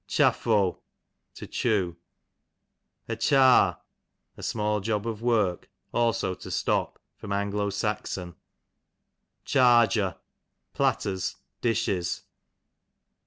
Cliaffo, to chew. A Char, a small job of work ; also to stop. A. S. Charger, platters, dishes.